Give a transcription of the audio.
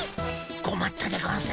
こまったでゴンス。